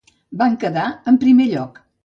Van quedar en primer lloc.